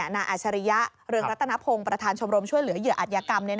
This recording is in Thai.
อาชริยะเรืองรัตนพงศ์ประธานชมรมช่วยเหลือเหยื่ออัธยกรรม